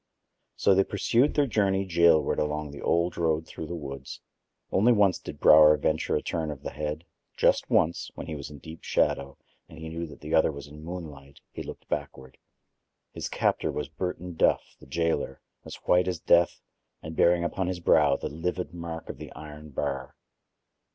So they pursued their journey jailward along the old road through the woods. Only once did Brower venture a turn of the head: just once, when he was in deep shadow and he knew that the other was in moonlight, he looked backward. His captor was Burton Duff, the jailer, as white as death and bearing upon his brow the livid mark of the iron bar.